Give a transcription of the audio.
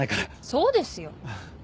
そうですよ。